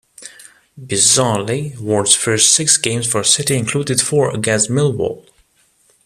Bizarrely, Ward's first six games for City included four against Millwall.